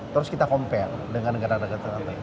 terus kita compare dengan negara negara tertentu